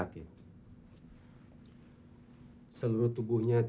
aku tidak bisa untuk ada bangat